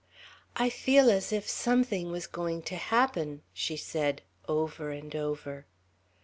"I feel as if something was going to happen," she said, over and over.